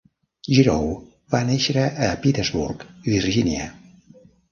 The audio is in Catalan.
Gerow va néixer a Petersburg, Virgínia.